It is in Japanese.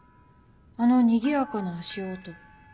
あの賑やかな足音。